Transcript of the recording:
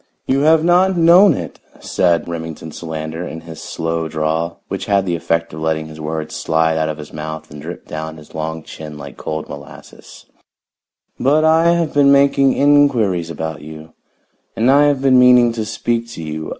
"You have not known it," said Remington Solander in his slow drawl, which had the effect of letting his words slide out of his mouth and drip down his long chin like cold molasses, "but I have been making inquiries about you, and I have been meaning to speak to you.